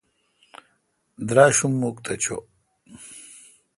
دراشوم مکھ تہ چو۔